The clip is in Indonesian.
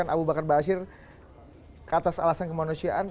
yang membebaskan abu bakar basir ke atas alasan kemanusiaan